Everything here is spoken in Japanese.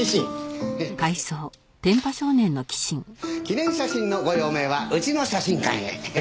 記念写真のご用命はうちの写真館へ。